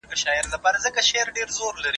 چي د چا په غاړه طوق د غلامۍ وي